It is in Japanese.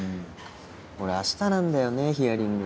俺明日なんだよねヒアリング。